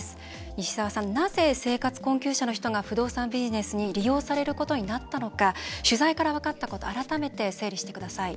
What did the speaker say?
西澤さん、なぜ生活困窮者の人が不動産ビジネスに利用されることになったのか取材から分かったこと改めて、整理してください。